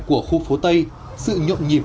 của khu phố tây sự nhộn nhịp